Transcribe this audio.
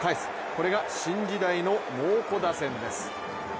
これが新時代の猛虎打線です。